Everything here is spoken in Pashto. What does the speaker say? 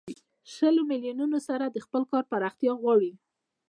شلو میلیونو سره د خپل کار پراختیا غواړي